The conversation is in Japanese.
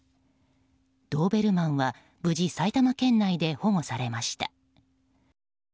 ドーベルマンは無事、埼玉県内で保護されました。